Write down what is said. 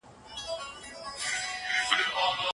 هر سهار باید په نوې هیله پیل کړو.